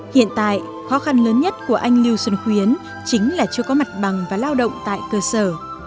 hiện tại khó khăn lớn nhất của anh lưu xuân khuyến chính là chưa có mặt bằng và lao động tại cơ sở